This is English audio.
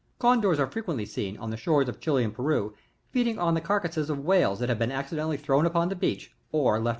[Condors are frequently seen, on the shores of Chile and Peru, feeding on the carcasses of whales that have been accidentally thrown upon the beach, or left by whalemen.